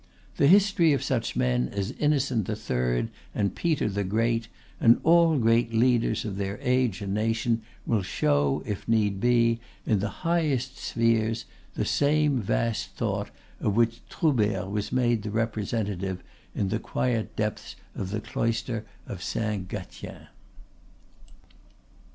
The history of such men as Innocent the Third and Peter the Great, and all great leaders of their age and nation will show, if need be, in the highest spheres the same vast thought of which Troubert was made the representative in the quiet depths of the Cloister of Saint Gatien.